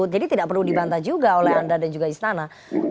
jadi tidak perlu dibantah juga oleh anda dan juga istana